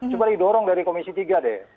coba didorong dari komisi tiga deh